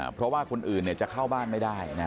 เพราะว่าคนอื่นจะเข้าบ้านไม่ได้